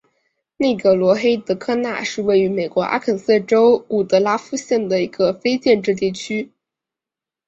内格罗黑德科纳是位于美国阿肯色州伍德拉夫县的一个非建制地区。